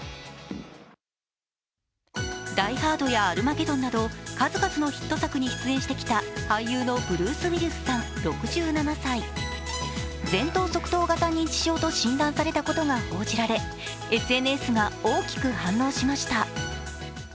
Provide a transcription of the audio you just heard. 「ダイ・ハード」や「アルマゲドン」など数々のヒット作に出演してきた俳優のブルース・ウィリスさん６７歳前頭側頭型認知症と診断されたことが報じられ、ＳＮＳが大きく反応しました。